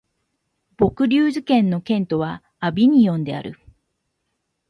ヴォクリューズ県の県都はアヴィニョンである